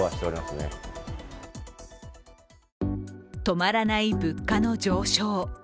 止まらない物価の上昇。